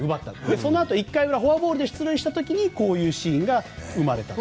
そのあと、１回裏フォアボールで出塁した時こういうシーンが生まれたと。